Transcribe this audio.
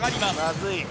まずい。